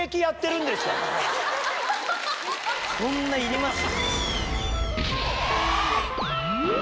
こんないります？